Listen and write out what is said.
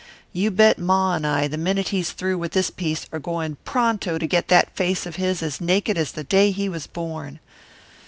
You bet Ma and I, the minute he's through with this piece, are going pronto to get that face of his as naked as the day he was born.